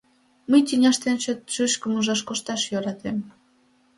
— Мый тӱняште эн чот шучкым ужын кошташ йӧратем.